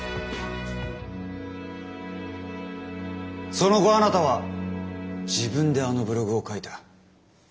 その後あなたは自分であのブログを書いた。